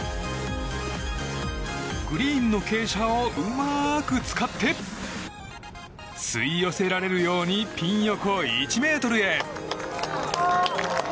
グリーンの傾斜をうまく使って吸い寄せられるようにピン横１ｍへ。